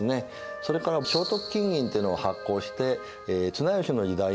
それから正徳金銀というのを発行して綱吉の時代にですね